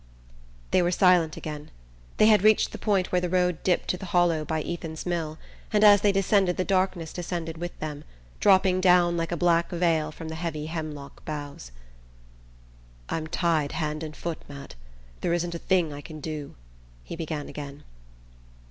They were silent again. They had reached the point where the road dipped to the hollow by Ethan's mill and as they descended the darkness descended with them, dropping down like a black veil from the heavy hemlock boughs. "I'm tied hand and foot, Matt. There isn't a thing I can do," he began again.